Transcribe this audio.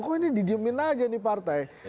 kok ini didiemin aja ini partai